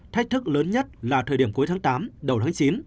thách thức lớn nhất là thời điểm cuối tháng tám đầu tháng chín